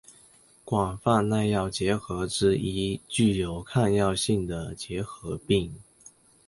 广泛耐药结核之一具有抗药性的结核病。